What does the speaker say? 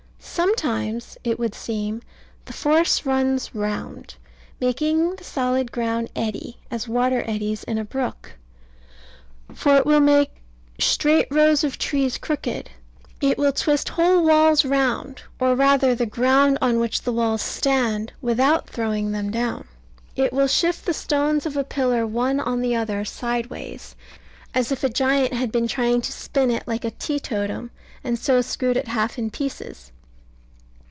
Sometimes, it would seem, the force runs round, making the solid ground eddy, as water eddies in a brook. For it will make straight rows of trees crooked; it will twist whole walls round or rather the ground on which the walls stand without throwing them down; it will shift the stones of a pillar one on the other sideways, as if a giant had been trying to spin it like a teetotum, and so screwed it half in pieces.